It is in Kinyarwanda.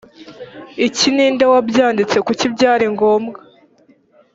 iki ni nde wabyanditse kuki byari ngombwa